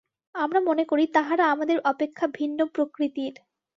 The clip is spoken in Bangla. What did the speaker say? আমরা মনে করি, তাহারা আমাদের অপেক্ষা ভিন্ন প্রকৃতির।